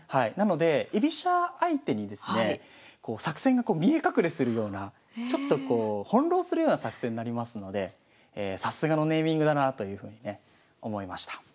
なので居飛車相手にですね作戦が見え隠れするようなちょっとこう翻弄するような作戦になりますのでさすがのネーミングだなというふうにね思いました。